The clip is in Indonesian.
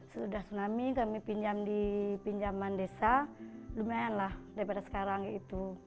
sudah tsunami kami pinjam di pinjaman desa lumayan lah daripada sekarang gitu